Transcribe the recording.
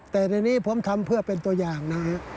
แต่ในนี้ผมทำเพื่อเป็นตัวอย่างนะฮะ